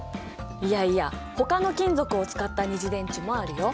いやいやほかの金属を使った二次電池もあるよ。